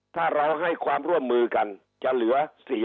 ถ้าเราให้ความร่วมมือกันจะเหลือ๔๐๐